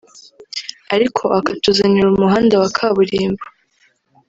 ariko akatuzanira umuhanda wa Kaburimbo